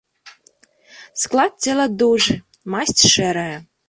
Склад цела дужы, масць шэрая.